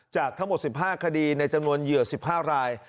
จากทั้งหมด๑๕คดีในจำนวนเหยื่อ๑๕ราย